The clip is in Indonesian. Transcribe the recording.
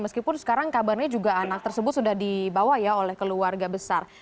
meskipun sekarang kabarnya juga anak tersebut sudah dibawa ya oleh keluarga besar